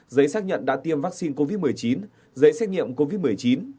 giấy xác nhận đã tiêm vaccine covid một mươi chín giấy xét nghiệm covid một mươi chín